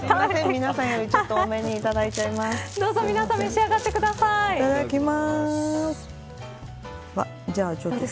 皆さんより多めに、いただいちゃいます。